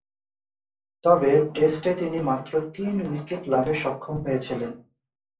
তবে, টেস্টে তিনি মাত্র তিন উইকেট লাভে সক্ষম হয়েছিলেন।